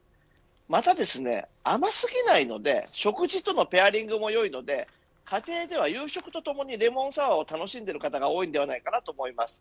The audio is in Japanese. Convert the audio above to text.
また、甘すぎないので食事とのペアリングもよいので家庭では夕食とともにレモンサワ―を楽しんでいる方が多いと思います。